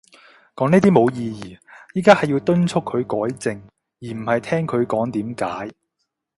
講呢啲冇意義。而家係要敦促佢改正，而唔係聽佢講點解